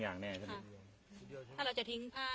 ถ้าเราจะทิ้งป้าณ